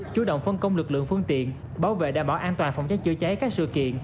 chủ động phân công lực lượng phương tiện bảo vệ đảm bảo an toàn phòng cháy chữa cháy các sự kiện